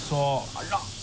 あら。